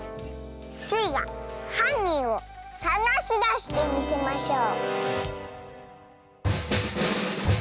スイがはんにんをさがしだしてみせましょう！